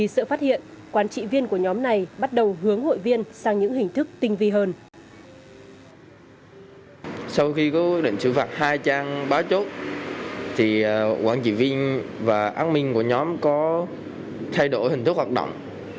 sau khi có quyết định xử phạt hai trang báo chốt thì quản trị viên và an ninh của nhóm có thay đổi hình thức hoạt động